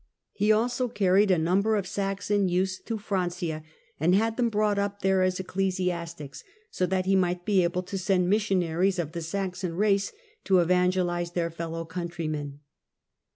He also carried a number of Saxon youths to Francia, and had them brought up there as ecclesiastics, so that he might be able to send missionaries of the Saxon race to evangelise their fellow countrymen.